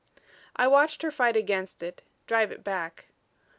I watched her fight against it, drive it back.